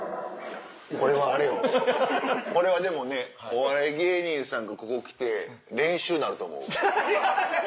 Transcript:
これはあれよこれはでもねお笑い芸人さんがここ来て練習になると思う。